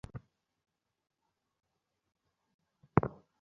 মনে হইল এই বালকটি যেন নির্মলার ভাই।